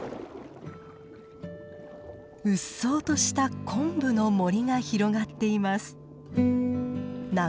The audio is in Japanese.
うっそうとしたコンブの森が広がっています。